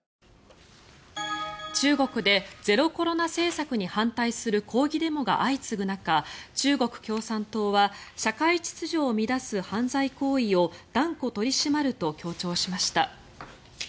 中国でゼロコロナ政策に反対する抗議デモが相次ぐ中中国共産党は社会秩序を乱す犯罪行為を断固取り締まると強調しました。